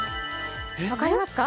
分かりますか？